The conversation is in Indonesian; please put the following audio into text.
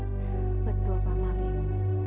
betul pak malik